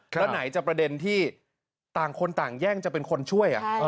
แล้วไหนจะประเด็นที่ต่างคนต่างแย่งจะเป็นคนช่วย